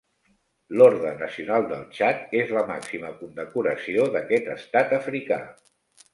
L'Orde Nacional del Txad és la màxima condecoració d'aquest estat africà.